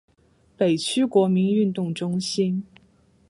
北区国民运动中心